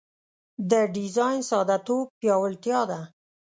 د ډیزاین ساده توب پیاوړتیا ده.